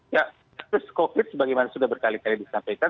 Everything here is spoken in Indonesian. ya terus covid sebagaimana sudah berkali kali disampaikan